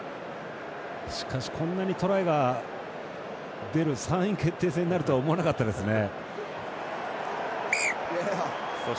しかしこんなにトライが出る３位決定戦になるとは思わなかったですね。